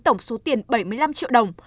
tổng số tiền bảy mươi năm triệu đồng